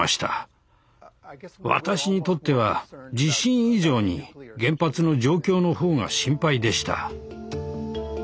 私にとっては地震以上に原発の状況の方が心配でした。